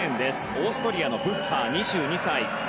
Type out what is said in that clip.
オーストリアのブッハー２２歳。